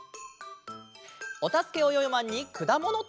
「おたすけ！およよマン」に「くだものたろう」。